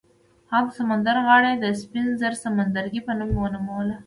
هغه د سمندر غاړه یې د سپین زر سمندرګي په نوم ونوموله.